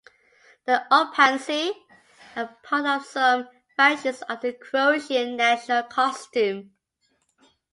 The "opanci" are part of some variations of the Croatian national costume.